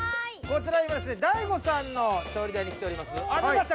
こちら今ですね大悟さんの調理台に来ております。